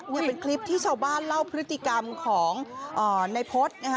นี่เป็นคลิปที่ชาวบ้านเล่าพฤติกรรมของนายพฤษนะคะ